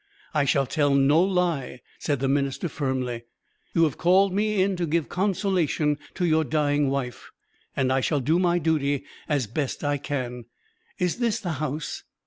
"I shall tell no lie," said the minister firmly. "You have called me in to give consolation to your dying wife, and I shall do my duty as best I can. Is this the house?"